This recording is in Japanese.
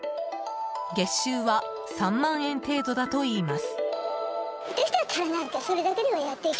月収は３万円程度だといいます。